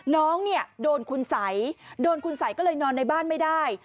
น้องเนี่ยโดนคุณสัยโดนคุณสัยก็เลยนอนในบ้านไม่ได้